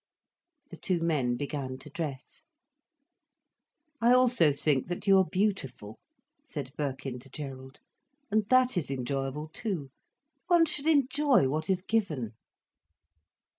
The two men began to dress. "I think also that you are beautiful," said Birkin to Gerald, "and that is enjoyable too. One should enjoy what is given."